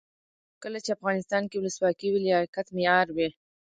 کله چې افغانستان کې ولسواکي وي لیاقت معیار وي.